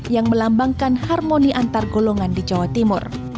yang melambangkan harmoni antar golongan di jawa timur